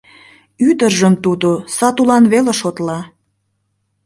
Ӱдыржым тудо сатулан веле шотла.